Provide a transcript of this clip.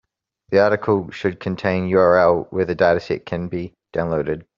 The article should contain URL where the dataset can be downloaded.